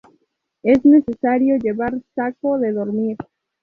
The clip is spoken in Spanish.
Es necesario llevar saco de dormir.